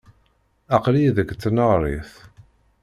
Aql-iyi deg tneɣrit.